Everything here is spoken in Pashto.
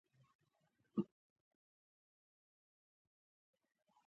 تر نن ورځې مې نه یادېږي چېرته تود هرکلی شوی.